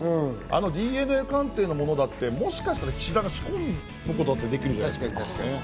ＤＮＡ鑑定のものだって菱田が仕込むことができるじゃないですか。